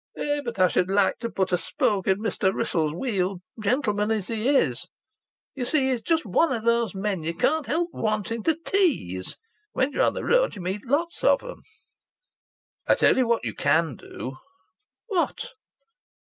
Eh, but I should like to put a spoke in Mr. Wrissell's wheel gentleman as he is. You see he's just one of those men you can't help wanting to tease. When you're on the road you meet lots of 'em." "I tell you what you can do!" "What?"